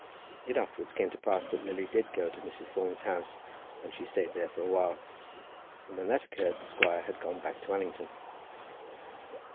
It afterwards came to pass that Lily did go to Mrs. Thorne's house, and she stayed there for awhile; but when that occurred the squire had gone back to Allington.